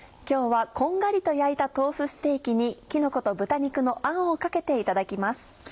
今日はこんがりと焼いた豆腐ステーキにきのこと豚肉のあんをかけていただきます。